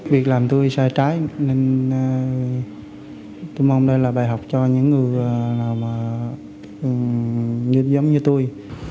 việc làm tôi sai trái nên tôi mong đây là bài học cho những người nào giống như tôi